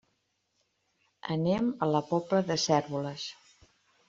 Anem a la Pobla de Cérvoles.